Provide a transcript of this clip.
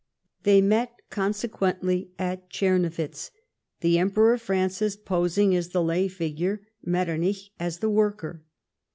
They met consequently at Czernowitz, the Emperor Francis posing as the lay figure, ]\[etternich as the worker.